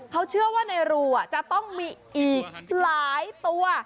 เขาเชื่อว่าในรูจะต้องมีอีกหลายตัว